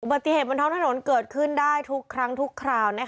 ปฏิเหตุบนท้องถนนเกิดขึ้นได้ทุกครั้งทุกคราว